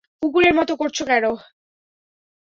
কুকুরের মতো করছো কেন?